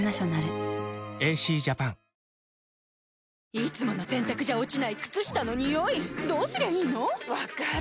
いつもの洗たくじゃ落ちない靴下のニオイどうすりゃいいの⁉分かる。